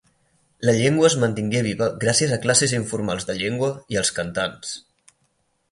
La llengua es manté viva gràcies a classes informals de llengua i als cantants.